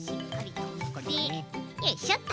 よいしょと。